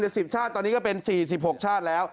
๑๐ชาติตอนนี้ก็เป็น๔๖ชาติแล้ว